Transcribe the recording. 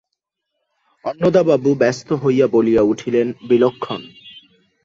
অন্নদাবাবু ব্যস্ত হইয়া বলিয়া উঠিলেন, বিলক্ষণ।